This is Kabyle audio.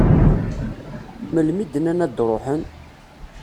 Melmi i d-nnan ad d-ruḥen?